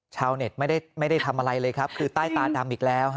ชาวเน็ตไม่ได้ทำอะไรเลยครับคือใต้ตาดำอีกแล้ว